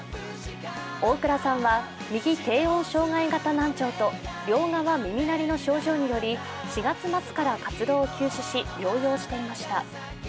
大倉さんは右低音障害型難聴と両側耳鳴りの症状により、４月末から活動を休止し療養していました。